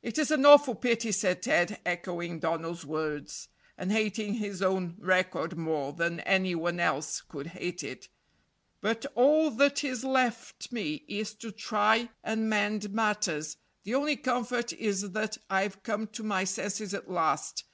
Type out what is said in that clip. "It is an awful pity," said Ted, echoing Donald's words, and hating his own record more than any one else could hate it; "but all that is left me is to try and mend matters. The only comfort is that I've come to my senses at last.